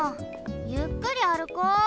ゆっくりあるこう。